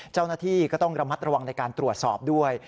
เจ้าหน้าที่ก็ต้องระมัดระวังในการตรวจสอบด้วย